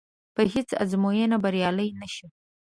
په هېڅ ازموینه بریالی نه شو.